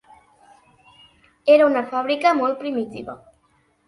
Era una fàbrica molt primitiva.